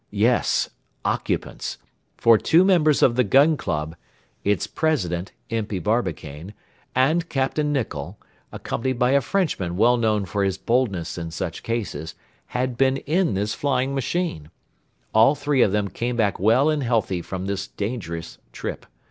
Yes, occupants; for two members of the Gun Club its President, Impey Barbicane, and Capt. Nicholl accompanied by a Frenchman well known for his boldness in such cases, had been in this flying machine. All three of them came back well and healthy from this dangerous trip.